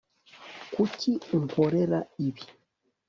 Kuki unkorera ibi